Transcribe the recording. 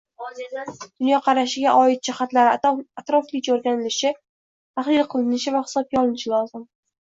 – dunyoqarashiga oid jihatlari atroflicha o‘rganilishi, tahlil qilinishi va hisobga olinishi lozim.